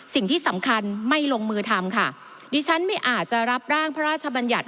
สิ่งที่สำคัญไม่ลงมือทำค่ะดิฉันไม่อาจจะรับร่างพระราชบัญญัติ